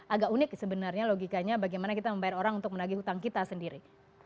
agak unik sebenarnya logikanya bagaimana kita membayar orang untuk menagih hutang kita sendiri